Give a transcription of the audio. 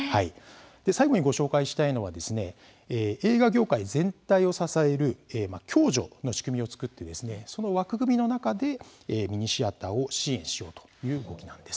最後にご紹介したいのは映画業界全体を支える共助の仕組みを作ってその枠組みの中でミニシアターを支援しようという動きなんです。